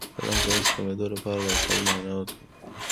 د لمس د حس د کمیدو لپاره د اعصابو معاینه وکړئ